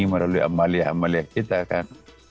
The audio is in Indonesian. melalui amalia amalia kita kan